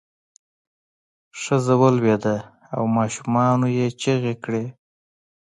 ښځه ولویده او ماشومانو یې چغې کړې.